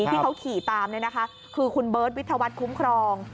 ที่เขาขี่ตามนี่นะคะคือคุณเบิร์ตวิทยาวัตรคุ้มครอง